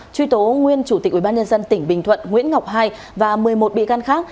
truy tố nguyên chủ tịch ubnd tỉnh bình thuận nguyễn ngọc hai và một mươi một bị can khác